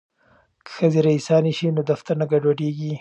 که ښځې ریسانې شي نو دفتر نه ګډوډیږي.